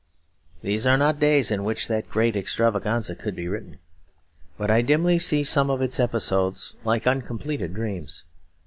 These are not days in which that great extravaganza could be written; but I dimly see some of its episodes like uncompleted dreams.